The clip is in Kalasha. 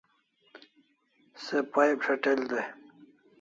Se pipe shat'el dai